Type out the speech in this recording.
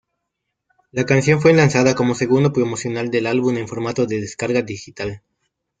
La canción fue lanzada como segundo promocional del álbum en formato de descarga digital.